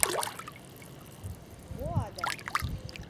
Мо адак!